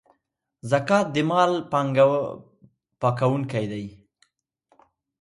زکات د مال پاکونکی دی.